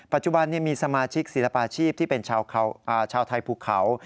ปัจจุบันมีสมาชิกศิลปาชีพที่เป็นชาวไทยภูเขา